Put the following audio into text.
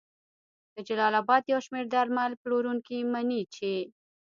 د جلال اباد یو شمېر درمل پلورونکي مني چې